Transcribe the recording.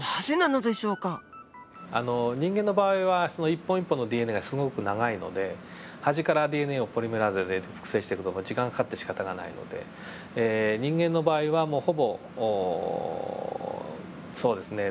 人間の場合は一本一本のＤＮＡがすごく長いので端からＤＮＡをポリメラーゼで複製していくと時間がかかってしかたがないので人間の場合にはもうほぼそうですね